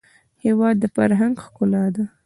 هېواد د فرهنګ ښکلا ده.